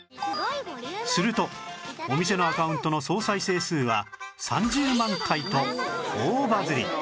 するとお店のアカウントの総再生数は３０万回と大バズり